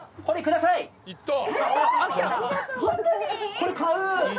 これ買う。